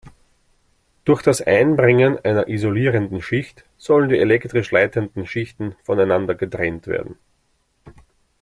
Durch das Einbringen einer isolierenden Schicht sollen die elektrisch leitenden Schichten voneinander getrennt werden.